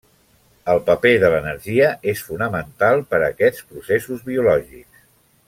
El paper de l'energia és fonamental per a aquests processos biològics.